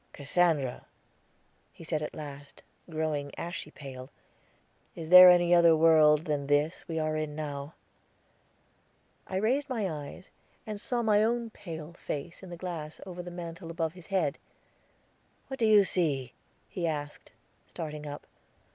"Cassandra," he said at last, growing ashy pale, "is there any other world than this we are in now?" I raised my eyes, and saw my own pale face in the glass over the mantel above his head. "What do you see?" he asked, starting up.